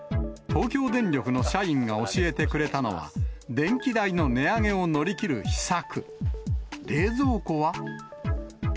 東京電力の社員が教えてくれたのは、電気代の値上げを乗り切る秘策。